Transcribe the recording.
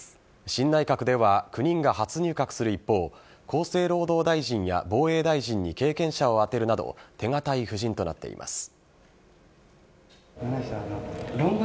新内閣では９人が初入閣する一方厚生労働大臣や防衛大臣に経験者をあてるなど手堅い布陣となっています。